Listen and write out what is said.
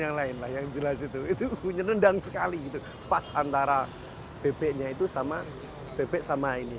yang lain lah yang jelas itu itu menyendang sekali gitu pas antara bebeknya itu sama bebek sama ini